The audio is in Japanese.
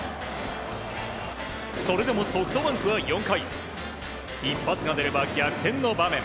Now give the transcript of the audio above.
それでもソフトバンクは４回一発が出れば逆転の場面。